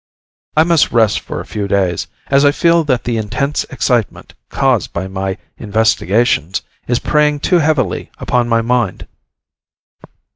I must rest for a few days, as I feel that the intense excitement caused by my investigations, is preying too heavily upon my mind.